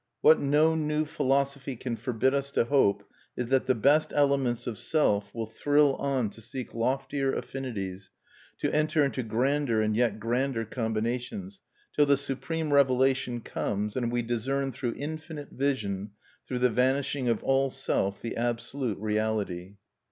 What no new philosophy can forbid us to hope is that the best elements of Self will thrill on to seek loftier affinities, to enter into grander and yet grander combinations, till the supreme revelation comes, and we discern, through infinite vision, through the vanishing of all Self, the Absolute Reality.